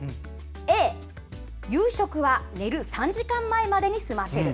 Ａ、夕食は寝る３時間前までに済ませる。